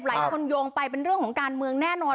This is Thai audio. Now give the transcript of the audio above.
หลายคนโยงไปเป็นเรื่องของการเมืองแน่นอนเลย